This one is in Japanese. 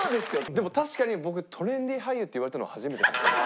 でも確かに僕トレンディ俳優って言われたのは初めてかもしれない。